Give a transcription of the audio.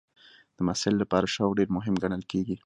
د محصل لپاره شوق ډېر مهم ګڼل کېږي.